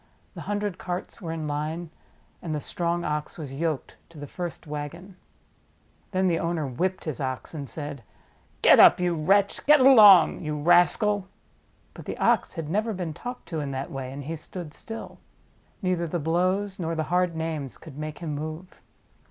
The hundred carts were in line, and the strong Ox was yoked to the first wagon. Then the owner whipped his Ox, and said: "Get up, you wretch ! Get along, you rascal !" 21 JATAKA TALES But the Ox had never been talked to in that way, and he stood still. Neither the blows nor the hard names could make him move.